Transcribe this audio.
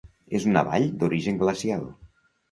És una vall d'origen glacial.